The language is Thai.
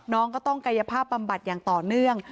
น้องก็ต้องกายภาพบำบัดอย่างต่อเนื่อง